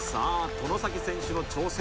外崎選手の挑戦